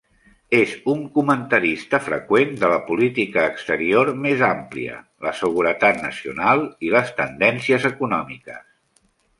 És un comentarista freqüent de la política exterior més àmplia, la seguretat nacional i les tendències econòmiques.